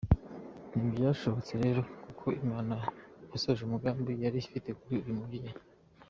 Ntibyashobotse rero kuko Imana yasoje umugambi yari ifite kuri uyu mubyeyi.